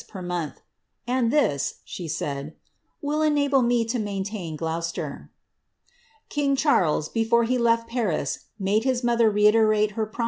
per ith, ^'and this," she said, " will enable me to maintain Gloticefler."* ^ Charles, before he left Paris, made his mother reiterate her pro